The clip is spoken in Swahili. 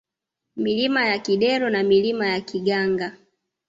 Milima ya Kidero na Milima ya Kiganga